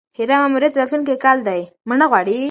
هیرا ماموریت راتلونکی کال دی.